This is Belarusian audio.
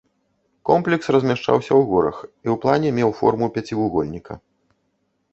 Комплекс размяшчаўся ў горах і ў плане меў форму пяцівугольніка.